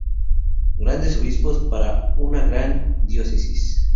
Grandes Obispos para una gran Diócesis.